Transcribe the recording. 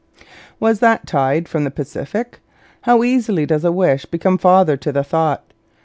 Was that tide from the Pacific? How easily does a wish become father to the thought!